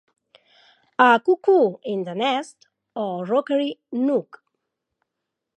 "A Cuckoo in the Nest" o "Rookery Nook".